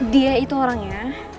dia itu orangnya